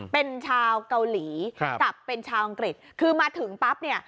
เป็นชาวเกาหลีครับเป็นชาวอังกฤษคือมาถึงปั๊บเนี่ย